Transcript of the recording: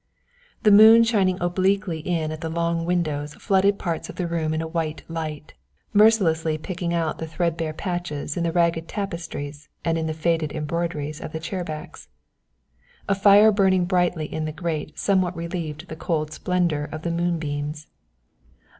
The moon shining obliquely in at the long windows flooded parts of the room in a white light, mercilessly picking out the threadbare patches in the ragged tapestries and in the faded embroideries of the chair backs. A fire burning brightly in the grate somewhat relieved the cold splendour of the moonbeams.